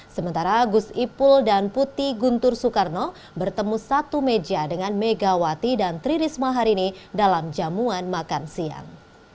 sementara gus ipul dan putih guntur soekarno bertemu satu meja dengan megawati dan tri risma hari ini dalam jamuan makan siang